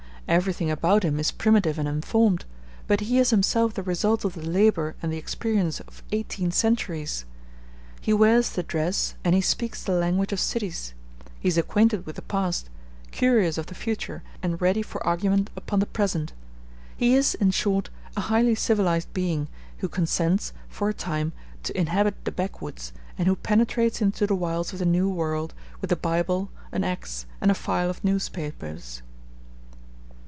Everything about him is primitive and unformed, but he is himself the result of the labor and the experience of eighteen centuries. He wears the dress, and he speaks the language of cities; he is acquainted with the past, curious of the future, and ready for argument upon the present; he is, in short, a highly civilized being, who consents, for a time, to inhabit the backwoods, and who penetrates into the wilds of the New World with the Bible, an axe, and a file of newspapers.